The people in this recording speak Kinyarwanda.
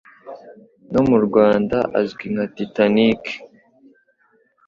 no mu Rwanda azwi nka Titanic